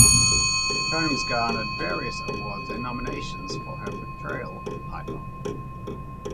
Combs garnered various awards and nominations for her portrayal of Piper.